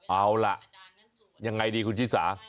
เอาล่ะยังไงดีคุณชิสา